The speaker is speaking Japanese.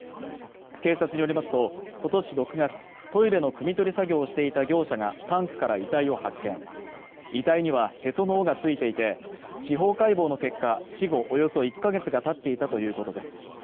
警察によりますとことし６月トイレのくみ取り作業をしていた業者がタンクから遺体を発見遺体にはへその緒がついていて司法解剖の結果死後およそ１か月がたっていたということです